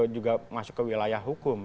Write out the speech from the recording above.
juga masuk ke wilayah hukum